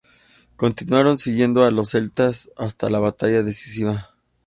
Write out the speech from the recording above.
Continuaron siguiendo a los celtas hasta la batalla decisiva.